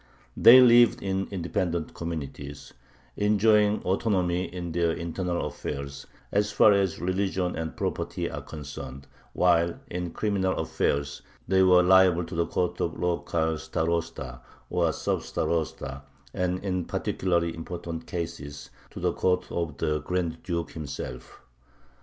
They lived in independent communities, enjoying autonomy in their internal affairs as far as religion and property are concerned, while in criminal affairs they were liable to the court of the local starosta or sub starosta, and, in particularly important cases, to the court of the Grand Duke himself.